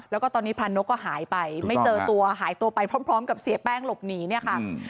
แล้วก็ตอนนี้พรานกก็หายไปไม่เจอตัวหายตัวไปพร้อมกับเสียแป้งหลบหนีเนี่ยค่ะ